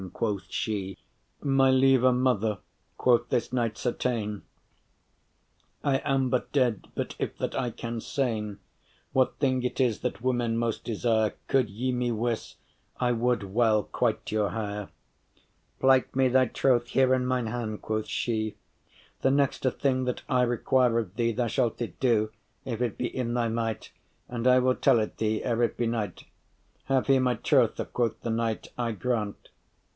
” quoth she. My leve* mother,” quoth this knight, “certain, *dear I am but dead, but if* that I can sayn *unless What thing it is that women most desire: Could ye me wiss,* I would well *quite your hire.”* *instruct <11> “Plight me thy troth here in mine hand,” quoth she, *reward you* “The nexte thing that I require of thee Thou shalt it do, if it be in thy might, And I will tell it thee ere it be night.” “Have here my trothe,” quoth the knight; “I grant.